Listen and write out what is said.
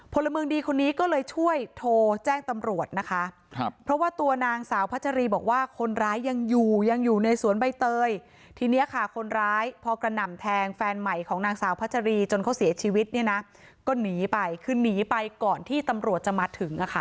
พลเมืองดีคนนี้ก็เลยช่วยโทรแจ้งตำรวจนะคะครับเพราะว่าตัวนางสาวพัชรีบอกว่าคนร้ายยังอยู่ยังอยู่ในสวนใบเตยทีเนี้ยค่ะคนร้ายพอกระหน่ำแทงแฟนใหม่ของนางสาวพัชรีจนเขาเสียชีวิตเนี่ยนะก็หนีไปคือหนีไปก่อนที่ตำรวจจะมาถึงอ่ะค่ะ